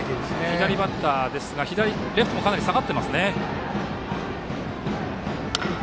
左バッターですがレフトもかなり下がっています。